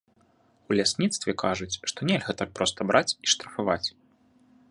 У лясніцтве кажуць, што нельга так проста браць і штрафаваць.